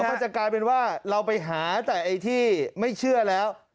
เดี๋ยวก็จะกลายเปลี่ยนว่าเราไปหาแต่ที่ไม่เชื่อแล้ว